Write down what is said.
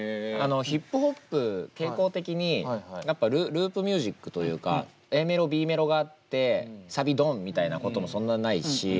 ヒップホップ傾向的にやっぱループミュージックというかＡメロＢメロがあってサビどん！みたいなこともそんなにないし。